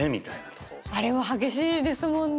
あれは激しいですもんね。